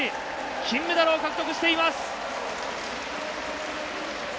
金メダルを獲得しています。